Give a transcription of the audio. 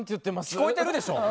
聞こえてるでしょ！